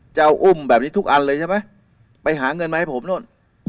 เจ้าอุ้มแบบนี้ทุกอันเลยใช่ไหมไปหาเงินมาให้ผมนู่น